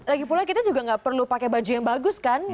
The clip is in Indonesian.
lagipula kita juga tidak perlu pakai baju yang bagus kan